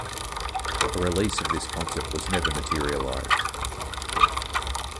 A release of this concert never materialized.